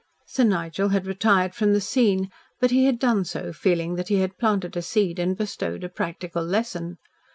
Sir Nigel had retired from the scene, but he had done so feeling that he had planted a seed and bestowed a practical lesson.